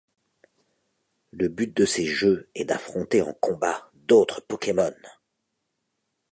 Le but de ces jeux est d'affronter en combat d'autres Pokémon.